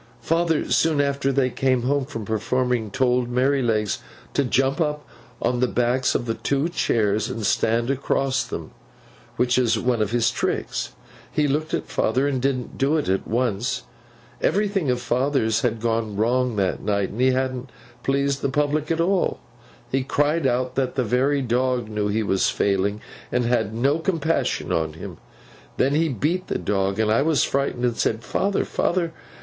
'Father, soon after they came home from performing, told Merrylegs to jump up on the backs of the two chairs and stand across them—which is one of his tricks. He looked at father, and didn't do it at once. Everything of father's had gone wrong that night, and he hadn't pleased the public at all. He cried out that the very dog knew he was failing, and had no compassion on him. Then he beat the dog, and I was frightened, and said, "Father, father!